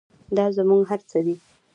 دا زموږ هر څه دی